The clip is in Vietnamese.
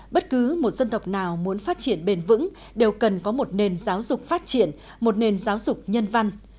bất cứ một dân tộc nào muốn phát triển bền vững đều cần có một nền giáo dục phát triển một nền giáo dục nhân văn